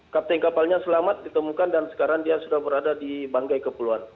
kapten kapalnya selamat ditemukan dan sekarang dia sudah berada di banggai kepulauan